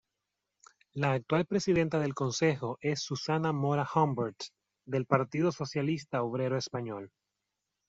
La actual presidenta del Consejo es Susana Mora Humbert, del Partido Socialista Obrero Español.